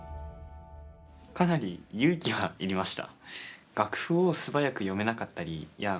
かなり勇気はいりました。